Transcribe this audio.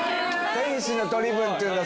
天使の取り分って言うんだ